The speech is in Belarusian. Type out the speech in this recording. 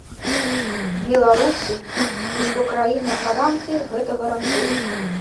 Беларусі, і што краіны-гаранты гэта гарантуюць.